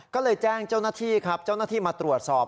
ก็เลยแจ้งเจ้าหน้าที่ครับเจ้าหน้าที่มาตรวจสอบ